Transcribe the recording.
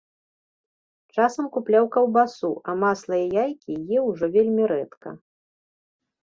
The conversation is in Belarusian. Часам купляў каўбасу, а масла і яйкі еў ужо вельмі рэдка.